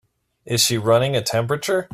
Is she running a temperature?